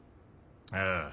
ああ。